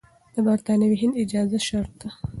د برتانوي هند اجازه شرط ده.